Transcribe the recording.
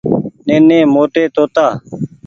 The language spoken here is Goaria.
نيني موٽي توتآ ۔